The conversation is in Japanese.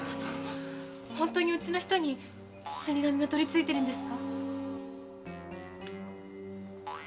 本当にうちの人に死神が取り憑いてるんですか？